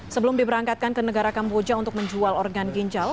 sebelum diberangkatkan ke negara kamboja untuk menjual organ ginjal